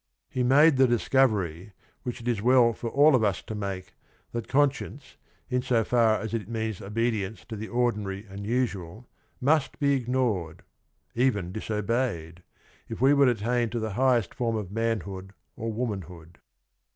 He made the discovery, which it is well for all of us to make, that con science, in so far as it means obedience to the ordinary and usual, must be ignored, even dis obeyed, if we would attain to the highest form of manhood or womanhood.